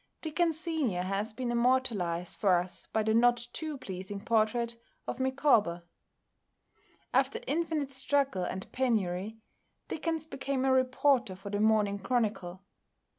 Dickens senior has been immortalized for us by the not too pleasing portrait of "Micawber." After infinite struggle and penury, Dickens became a reporter for the Morning Chronicle.